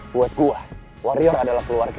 buat gue warrior adalah keluarga